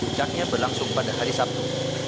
puncaknya berlangsung pada hari sabtu